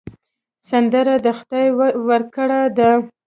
سندره د خدای ورکړه ده